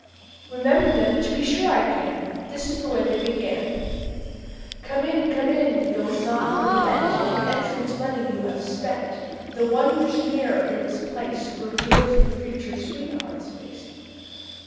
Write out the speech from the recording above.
"Remember them! to be sure I can. This is the way they began: 'Come in! come in! you'll not repent The entrance money you have spent; The wondrous mirror in this place Reveals your future sweetheart's face.